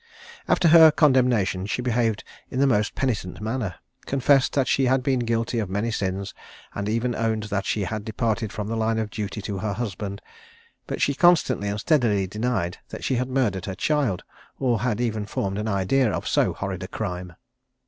After her condemnation she behaved in the most penitent manner, confessed that she had been guilty of many sins, and even owned that she had departed from the line of duty to her husband; but she constantly and steadily denied that she had murdered her child, or had even formed an idea of so horrid a crime.